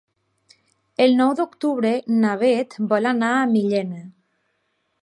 El nou d'octubre na Bet vol anar a Millena.